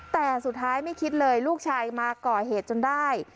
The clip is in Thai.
แต่สุดท้ายไม่คิดเลยลูกชายมาก่อเหตุจนได้